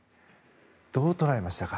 どう捉えましたか？